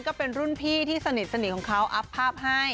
ก็เป็นรุ่นพี่ที่สนิทของเขาอัพภาพให้